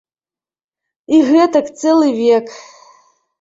І гэтак цэлы век.